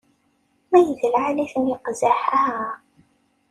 Ay d lɛali-ten iqzaḥ-a!